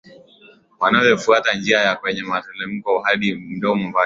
yanayofuata njia yake kwenye mtelemko hadi mdomoni wake